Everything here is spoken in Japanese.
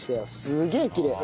すげえきれい。